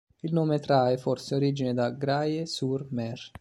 Il nome trae forse origine da Graye-sur-Mer.